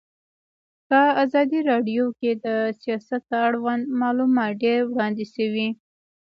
په ازادي راډیو کې د سیاست اړوند معلومات ډېر وړاندې شوي.